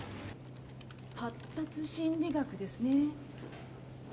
『発達心理学』ですね。